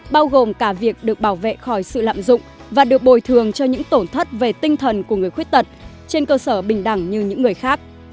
bao gồm cả việc được bảo vệ khỏi sự lạm dụng và được bồi thường cho những tổn thất về tinh thần của người khuyết tật trên cơ sở bình đẳng như những người khác